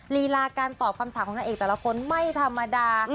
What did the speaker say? ลีลาการตอบคำถามของนางเอกแต่ละคนไม่ธรรมดา